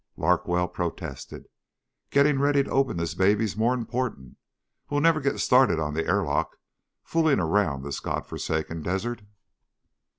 Larkwell protested, "Getting ready to open this baby's more important. We'll never get started on the airlock fooling around this god forsaken desert."